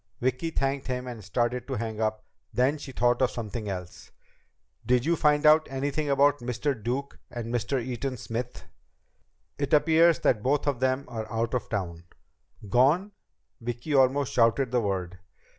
Vicki thanked him and started to hang up, then she thought of something else. "Did you find out anything about Mr. Duke and Mr. Eaton Smith?" "It appears that both of them are out of town ..." "Gone?" Vicki almost shouted the word.